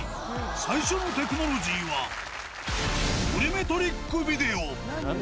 最初のテクノロジーは、ボリュメトリックビデオ。